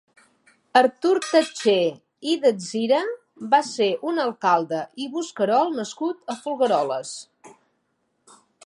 Artur Tatxé i Datzira va ser un alcalde i bosquerol nascut a Folgueroles.